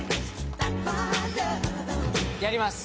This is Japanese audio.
やります！